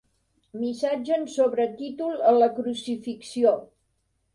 Missatge en sobretítol a la crucifixió.